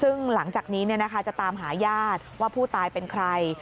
ซึ่งหลังจากนี้จะตามหาญาติว่าผู้ตายเป็นใคร